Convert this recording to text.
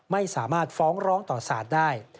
ไม่สามารถฟ้องร้องต่อสารได้